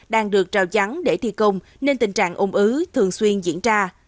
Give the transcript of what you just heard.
đang được trao chắn để thi công nên tình trạng ôm ứ thường xuyên diễn ra